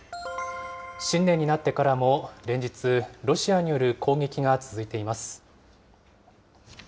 新年になってからも連日、ロシアによる攻撃が続いています。